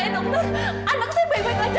memang desna tapi cuman bekerja